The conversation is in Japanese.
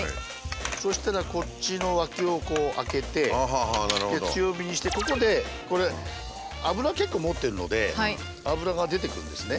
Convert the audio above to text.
そしたらこっちの脇を空けて強火にしてここでこれ脂結構持ってるので脂が出てくるんですね。